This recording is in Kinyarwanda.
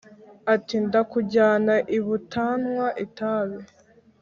ati : ndakujyana ibutanywa itabi